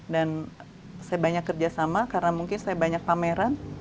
dan saya banyak kerja sama karena mungkin saya banyak pameran